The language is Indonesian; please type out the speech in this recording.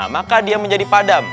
matanya punya ular